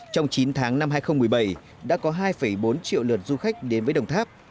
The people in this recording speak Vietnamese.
trong chín tháng năm hai nghìn một mươi bảy đã có hai bốn triệu lượt du khách đến với đồng tháp